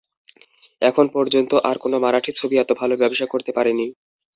এখন পর্যন্ত আর কোনো মারাঠি ছবি এত ভালো ব্যবসা করতে পারেনি।